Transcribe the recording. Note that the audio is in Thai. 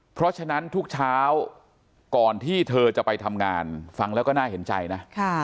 เพราะฉะนั้นทุกเช้าก่อนที่เธอจะไปทำงานฟังแล้วก็น่าเห็นใจนะ